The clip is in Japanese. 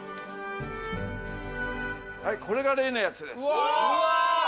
これが例のやつです。